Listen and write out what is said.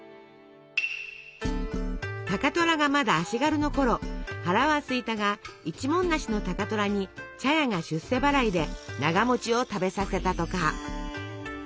高虎がまだ足軽のころ腹はすいたが一文無しの高虎に茶屋が出世払いでながを食べさせたとか。